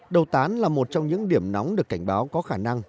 đầu tán là một trong những điểm nóng được cảnh báo có khả năng